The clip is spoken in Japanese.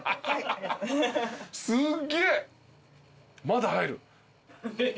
まだ入る。